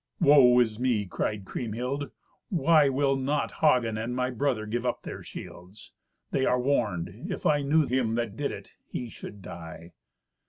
"Woe is me!" cried Kriemhild. "Why will not Hagen and my brother give up their shields? They are warned. If I knew him that did it, he should die."